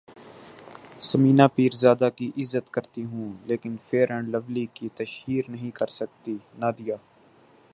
ثمینہ پیرزادہ کی عزت کرتی ہوں لیکن فیئر اینڈ لولی کی تشہیر نہیں کرسکتی نادیہ